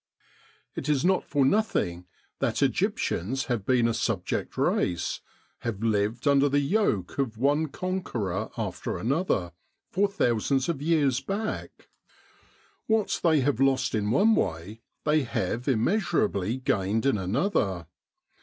It is not for nothing that Egyptians have been a subject race, have lived under the yoke of one con queror after another, for thousands of years back. 294 The Egyptian Labour Corps What they have lost in one way, they have immeasur ably gained in another.